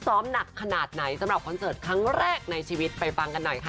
พร้อมเต้นนานไหมคะอยากรู้